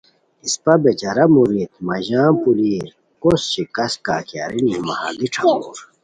اِسپہ بے چارہ مرید مہ ژان پولیر کوس شکست کا کی ارینی مہ ہردی ݯھامور